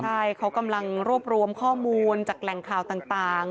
ใช่เขากำลังรวบรวมข้อมูลจากแหล่งข่าวต่าง